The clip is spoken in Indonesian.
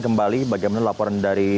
kembali bagaimana laporan dari